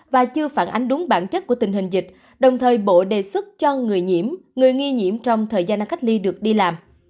và chưa phản ánh đúng bản chất của tình hình dịch đồng thời bộ đề xuất cho người nhiễm người nghi nhiễm trong thời gian cách ly được đi làm